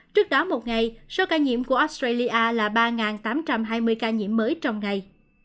trước đó một ngày số ca nhiễm của australia là ba tám trăm hai mươi ca nhiễm mới trong ngày